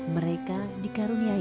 mereka dikaruniai adiknya